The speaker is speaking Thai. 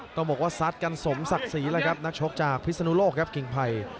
ต้องบอกว่าซัดกันสมศักดิ์ศรีแล้วครับนักชกจากพิศนุโลกครับกิ่งไผ่